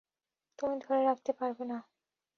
তুমি ধরে রাখতে পারবে না!